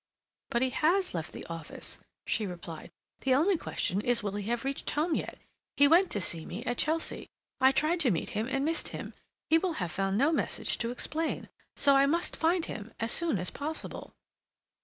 "But he has left the office," she replied. "The only question is will he have reached home yet? He went to see me at Chelsea; I tried to meet him and missed him. He will have found no message to explain. So I must find him—as soon as possible."